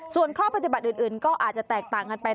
ส่วนข้อปฏิบัติอื่นก็อาจจะแตกต่างกันไป